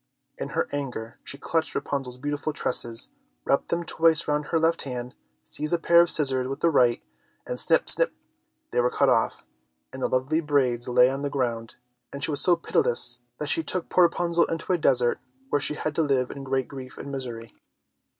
In her anger she clutched Rapunzel's beautiful tresses, wrapped them twice round her left hand, seized a pair of scissors with the right, and snip, snap, they were cut off, and the lovely braids lay on the ground. And she was so pitiless that she took poor Rapunzel into a desert where she had to live in great grief and misery.